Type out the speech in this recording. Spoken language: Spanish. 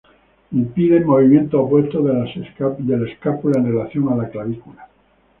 Impiden movimientos opuestos de la escápula en relación a la clavícula.